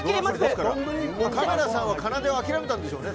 カメラさんは、かなでを諦めたんでしょうね。